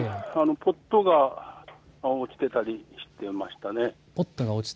ポットが落ちていたりしていました。